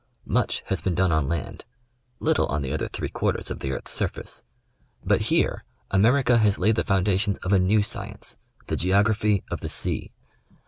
Much has been done on land — little on the other three quar ters of the earth's surface. But here America has laid the foun dations of a new science, — the Geography of the Sea.